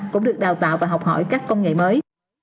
cũng được đào tạo và học hỏi các công nghệ mới